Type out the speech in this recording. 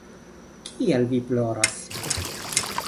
Kial vi ploras?